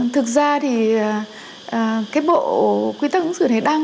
thực ra thì cái bộ quy tắc ứng xử đề đăng